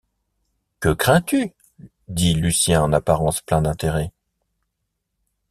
Que crains-tu? dit Lucien en apparence plein d’intérêt.